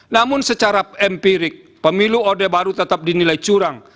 namun secara empirik pemilu odeh baru tetap dinilai curang